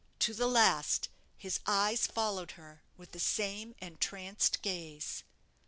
To the last, his eyes followed her with the same entranced gaze.